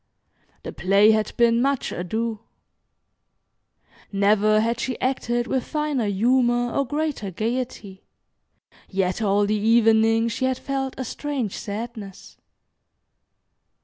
The play had been "Much Ado." Never had she acted with finer humor, or greater gaiety. Yet all the evening she had felt a strange sadness.